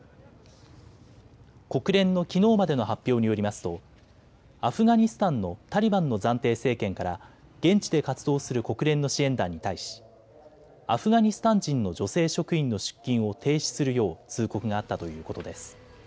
国連のきのうまでの発表によりますとアフガニスタンのタリバンの暫定政権から現地で活動する国連の支援団に対し、アフガニスタン人の女性職員の出勤を停止するよう通告があったということです。